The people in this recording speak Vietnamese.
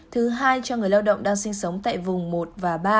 thứ hai cho người lao động đang sinh sống tại vùng một và ba